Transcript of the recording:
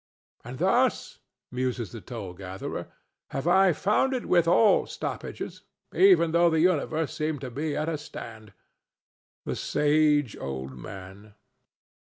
"And thus," muses the toll gatherer, "have I found it with all stoppages, even though the universe seemed to be at a stand." The sage old man!